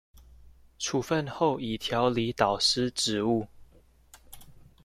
處分後已調離導師職務